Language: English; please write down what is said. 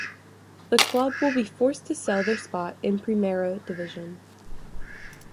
The club will be forced to sell their spot in Primera division.